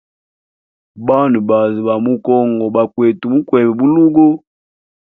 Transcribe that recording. Bana baazi ba mu congo bakwete mukweba bulugo.